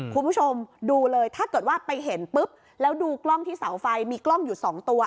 คุณผู้ชมดูเลยถ้าเกิดว่าไปเห็นปุ๊บแล้วดูกล้องที่เสาไฟมีกล้องอยู่สองตัว